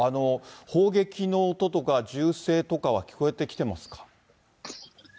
砲撃の音とか、銃声とかは聞こえてきてますか？